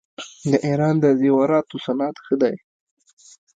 د ایران د زیوراتو صنعت ښه دی.